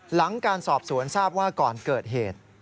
หลังการสอบสวนทราบว่าก่อนเกิดเหตุ